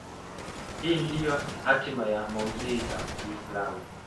Hii ndiyo hatima ya maudhui ya Uislamu